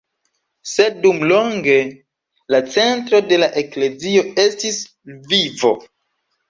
Sed dumlonge la centro de la eklezio estis Lvivo.